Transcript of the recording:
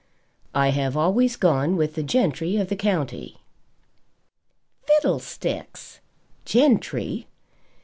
"I have always gone with the gentry of the county." "Fiddlesticks! Gentry!